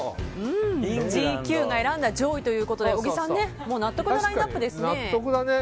「ＧＱ」が選んだ上位ということで小木さん納得のラインアップですね。